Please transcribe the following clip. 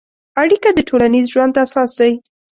اړیکه د ټولنیز ژوند اساس دی.